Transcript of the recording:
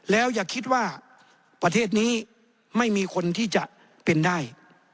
แล้วอย่าคิดว่าประเทศนี้ไม่มีคนที่จะเป็นได้